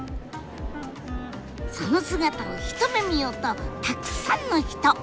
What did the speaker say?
その姿を一目見ようとたくさんの人！